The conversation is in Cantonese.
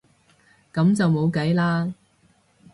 噉就冇計啦